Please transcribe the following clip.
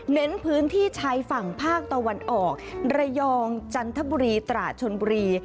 เน้นพื้นที่ชายฝั่งภาคตะวันออกระยองจันทบุรีตราชนบุรี